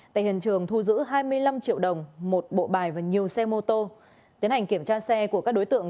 tại hiện trường thu giữ hai mươi năm triệu đồng một bộ bài và nhiều xe mô tô tiến hành kiểm tra xe của các đối tượng